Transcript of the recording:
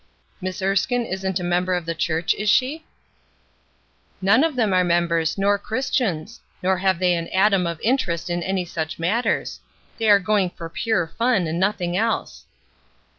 "Miss Erskine isn't a member of the church, is she?" "None of them are members, nor Christians; nor have they an atom of interest in any such matters. They are going for pure fun, and nothing else."